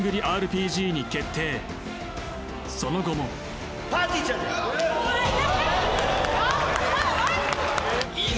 その後もぱーてぃーちゃんでえっマジ？